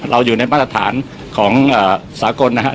อยู่ในมาตรฐานของสากลนะครับ